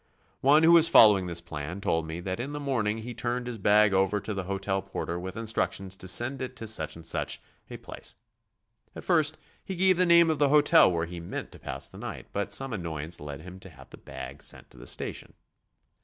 One who was following this plan told me that in the morning he turned his bag over to the hotel porter with instructions to send it to such and such a place. At first he gave the name of the hotel where he meant to pass the night, but some annoyance led him to have the bag sent to the station.